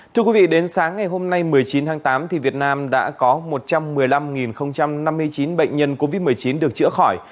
thưa quý vị đến sáng ngày hôm nay một mươi chín tháng tám việt nam đã có một trăm một mươi năm năm mươi chín bệnh nhân covid một mươi chín được chữa khỏi